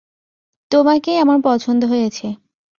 তোমাকেই আমার পছন্দ হয়েছে।